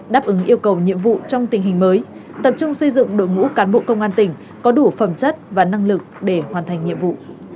đáp ứng yêu cầu nhiệm vụ trong tình hình mới tập trung xây dựng đội ngũ cán bộ công an tỉnh có đủ phẩm chất và năng lực để hoàn thành nhiệm vụ